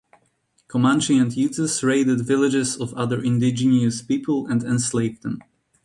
Comanche and Utes raided villages of other indigenous people and enslaved them.